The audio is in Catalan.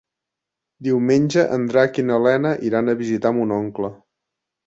Diumenge en Drac i na Lena iran a visitar mon oncle.